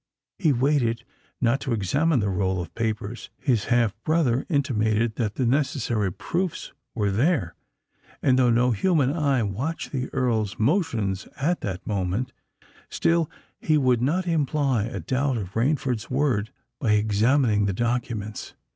He waited not to examine the roll of papers: his half brother intimated that the necessary proofs were there—and, though no human eye watched the Earl's motions at that instant, still he would not imply a doubt of Rainford's word by examining the documents.